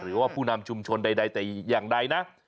หรือว่าผู้นำชุมชนใดแต่อย่างใดนะ